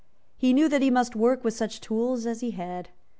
He knew that he must work with such tools as he had.